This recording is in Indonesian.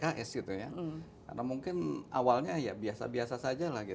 karena mungkin awalnya biasa biasa saja